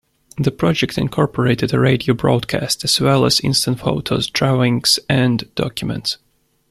The project incorporated a radio broadcast, as well as instant photos, drawings and documents.